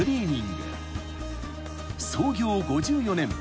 ［創業５４年。